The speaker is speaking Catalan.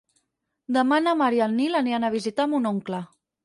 Demà na Mar i en Nil aniran a visitar mon oncle.